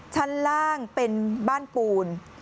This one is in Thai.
ชั้นล่างเป็นบ้านปูน